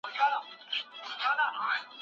د اورګاډي پټلۍ جوړه سوې ده.